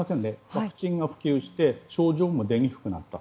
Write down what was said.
ワクチンが普及して症状も出にくくなった。